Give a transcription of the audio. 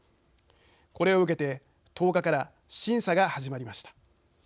これを受けて１０日から審査が始まりました。